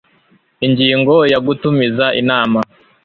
ingingo ya gutumiza inama